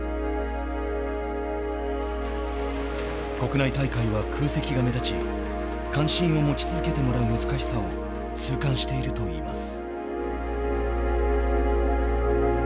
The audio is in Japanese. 国内大会は空席が目立ち関心を持ち続けてもらう難しさを痛感しているといいます。